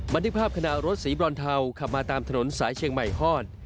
บันทึกภาพขณะรถสีบรอนเทาขับมาตามถนนสายเชียงใหม่ฮอด